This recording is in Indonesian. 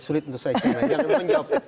sulit untuk saya karena jangan menjawab